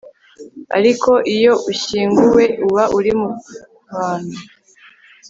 ariko iyo ushyingiwe uba uri mu kantu